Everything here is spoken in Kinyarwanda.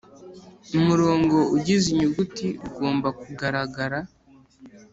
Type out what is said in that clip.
Umurongo ugize inyuguti ugomba kugaragara